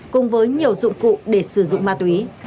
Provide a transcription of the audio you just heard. cùng với nhiều dụng cụ để sử dụng ma túy